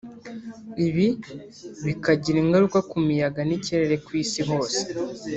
ibi bikagira ingaruka ku miyaga n’ikirere ku Isi hose